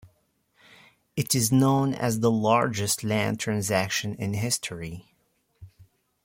It is known as the largest land transaction in history.